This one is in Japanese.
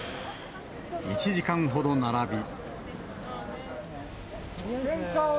１時間ほど並び。